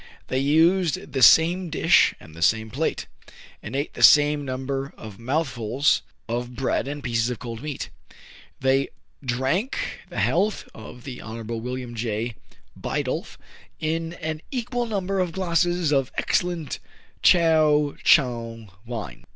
They used the same dish and the same plate, and ate the same number of mouthfuls of bread and pieces of cold meat. They drank the health of the Honorable William J. Bidulph in an equal number of glasses of excellent Chao Chigne wine.